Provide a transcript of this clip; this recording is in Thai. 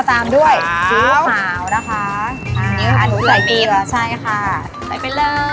สามเกลือ